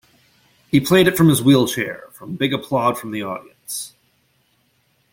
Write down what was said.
He played it from his wheelchair from big applaud from the audience.